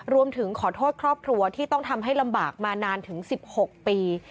รวมถึงขอโทษครอบครัวที่ต้องทำให้ลำบากมานานถึง๑๖ปี